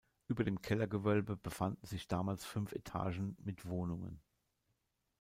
Über dem Kellergewölbe befanden sich damals fünf Etagen mit Wohnungen.